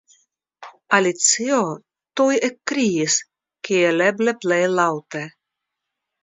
Alicio tuj ekkriis kiel eble plej laŭte.